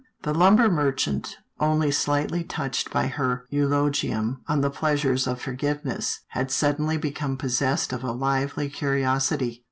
The lumber merchant, only slightly touched by her eulogium on the pleasures of forgiveness, had* suddenly become possessed of a lively curiosity.